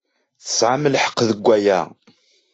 Tesɛamt lḥeqq deg waya.